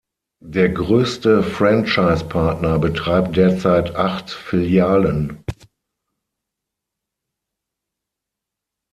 Der größte Franchise-Partner betreibt derzeit acht Filialen.